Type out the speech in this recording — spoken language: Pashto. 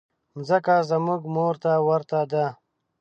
مځکه زموږ مور ته ورته ده.